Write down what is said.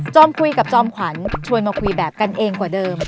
คุยกับจอมขวัญชวนมาคุยแบบกันเองกว่าเดิม